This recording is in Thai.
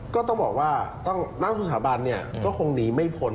ก็ต้องบอกว่านักทุนสถาบันเนี่ยก็คงหนีไม่พ้น